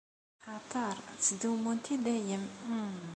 Axaṭer ttdumunt i dayem.